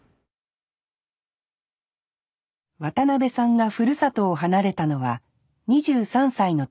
渡辺さんがふるさとを離れたのは２３歳の時。